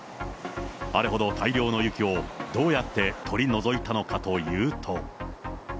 あれほど大量の雪を、どうやって取り除いたのかというと。